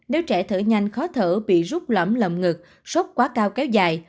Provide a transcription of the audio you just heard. nếu trẻ thở nhanh khó thở bị rút lõm lầm ngực sóc quá cao kéo dài